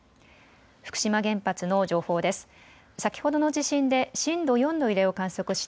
福島原発の情報です。